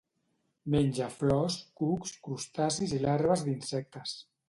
Menja flors, cucs, crustacis i larves d'insectes.